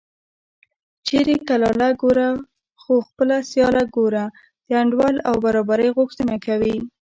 چېرې کلاله ګوره خو خپله سیاله ګوره د انډول او برابرۍ غوښتنه کوي